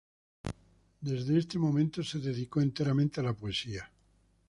Desde este momento se dedicó enteramente a la poesía.